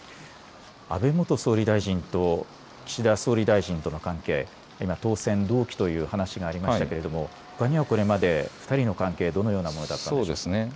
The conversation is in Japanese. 安倍元総理大臣と岸田総理大臣との関係、今、当選同期という話もありましたけれどもこれまで２人の関係、どのようなものだったんでしょうか。